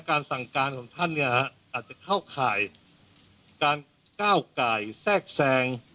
การสั่งการของท่านเนี่ยอาจจะเข้าข่ายการก้าวไก่แทรกแทรง